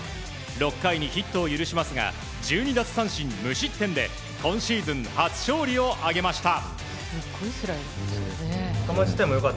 ６回にヒットを許しますが１２奪三振、無失点で今シーズン、初勝利を挙げました。